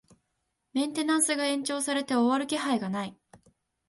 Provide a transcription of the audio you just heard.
メンテナンスが延長されて終わる気配がない